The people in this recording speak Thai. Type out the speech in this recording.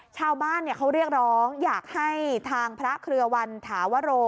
ชาวบ้านเขาเรียกร้องอยากให้ทางพระเครือวันถาวโร